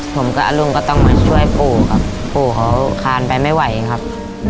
ผมกับอรุ่งก็ต้องมาช่วยปู่ครับปู่เขาคานไปไม่ไหวครับ